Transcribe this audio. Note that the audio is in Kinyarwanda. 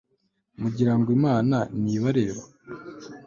mugirango imana ntibareba